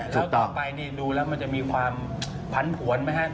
แล้วต่อไปดูแล้วมันจะมีความพันธุ์ผวนไหม